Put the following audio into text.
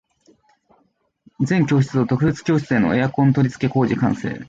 全教室と特別教室へのエアコン取り付け工事完成